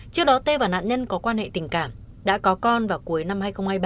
trước đó tê và nạn nhân có quan hệ tình cảm đã có con vào cuối năm hai nghìn hai mươi ba